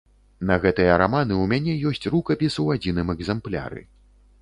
На гэтыя раманы ў мяне ёсць рукапіс у адзіным экзэмпляры.